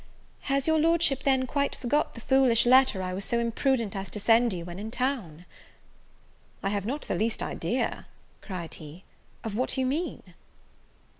"Has your Lordship then quite forgot the foolish letter I was so imprudent as to send you when in town?" "I have not the least idea," cried he, "of what you mean."